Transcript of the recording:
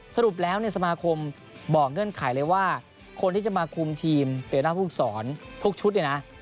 สรุปแล้วสมาคมบอกเงื่อนไขเลยว่าคนที่จะมาคุมทีมเป็นหน้าผู้สอนทุกชุดเนี่ยนะ